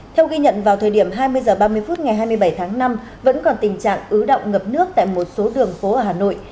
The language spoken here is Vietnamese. theo ghi nhận vào thời điểm hai mươi h ba mươi phút ngày hai mươi bảy tháng năm vẫn còn tình trạng ứ động ngập nước tại một số đường phố ở hà nội